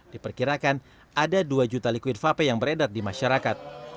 diperkirakan ada dua juta liquid vape yang beredar di masyarakat